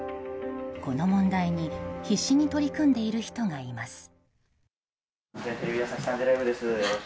この問題に必死に取り組んでいる人がいます。